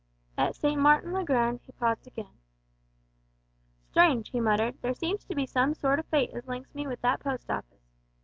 At St. Martin's le Grand he paused again. "Strange," he muttered, "there seems to be some sort o' fate as links me wi' that Post Office.